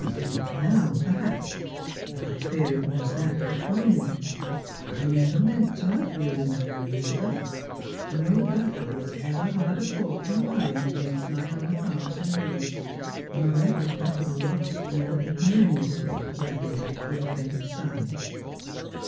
"Not now, perhaps; but I fear it was that which won me. I never meant to love you, remember, Elizabeth. No battle was ever harder fought than mine against my own heart and you, nor ever a battle lost more ignominiously," he added, with a faint sigh.